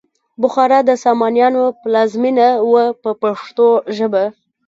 بخارا د سامانیانو پلازمینه وه په پښتو ژبه.